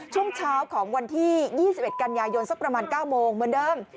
ช่วงเช้าของวันที่๒๑กันยายนสักประมาณ๙โมงเหมือนเดิม